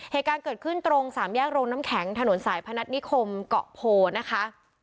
เหตุการณ์เกิดขึ้นตรงสามแยกโรงน้ำแข็งถนนสายพนัฐนิคมเกาะโพนะคะ